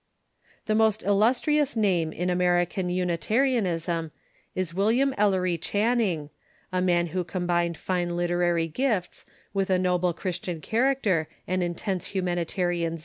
The most illustrious name in American Unitarianism is William Ellery Channing, a man who combined fine literary gifts with a noble Christian character and intense hu Channing °..